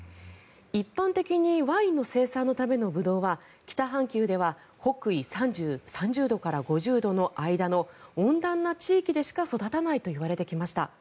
一般的にワインの生産のためのブドウは北半球では北緯３０度から５０度の間の温暖な地域でしか育たないといわれてきました。